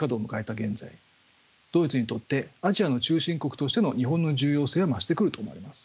現在ドイツにとってアジアの中心国としての日本の重要性は増してくると思われます。